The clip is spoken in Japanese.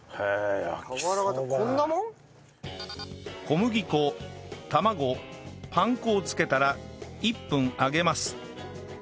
小麦粉卵パン粉をつけたら１分揚げます